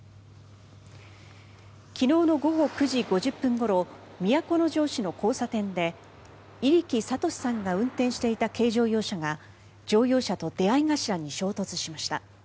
昨日の午後９時５０分ごろ都城市の交差点で入来智さんが運転していた軽乗用車が乗用車と出合い頭に衝突しました。